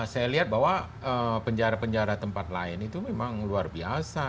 saya lihat bahwa penjara penjara tempat lain itu memang luar biasa